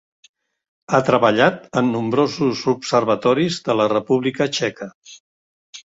Ha treballat en nombrosos observatoris de la República Txeca.